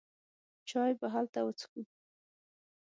چای به هلته وڅېښو.